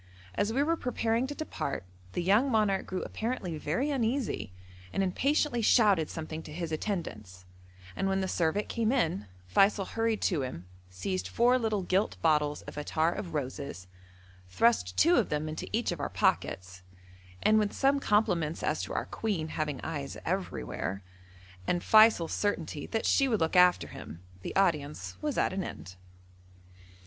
As we were preparing to depart the young monarch grew apparently very uneasy, and impatiently shouted something to his attendants, and when the servant came in, Feysul hurried to him, seized four little gilt bottles of attar of roses, thrust two of them into each of our pockets, and with some compliments as to our Queen having eyes everywhere, and Feysul's certainty that she would look after him, the audience was at an end.